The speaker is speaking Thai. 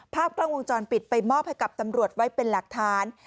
ภาพกล้องวงจรปิดไปมอบให้กับตำรวจไว้เป็นหลักฐาน